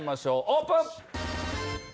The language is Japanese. オープン！